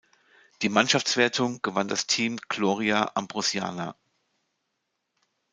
Die Mannschaftswertung gewann das Team "Gloria-Ambrosiana".